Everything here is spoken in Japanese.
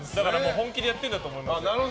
本気でやってるんだと思いますよ。